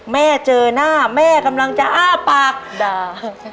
แม่เจอหน้าแม่กำลังจะอ้าปากด่า